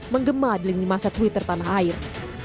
sama adil ini masa twitter tanah air